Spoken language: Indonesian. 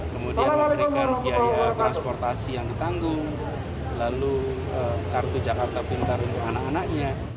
kemudian memberikan biaya transportasi yang ditanggung lalu kartu jakarta pintar untuk anak anaknya